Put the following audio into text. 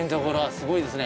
すごいですね。